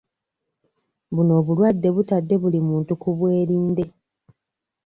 Buno obulwadde butadde buli omu ku bwerinde.